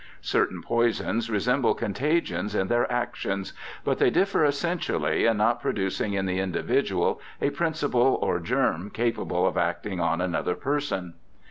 Certain poisons resemble contagions in their action, but they differ essentially in not producing in the individual a principle or germ capable of acting on another person.